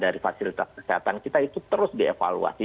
dari fasilitas kesehatan kita itu terus dievaluasi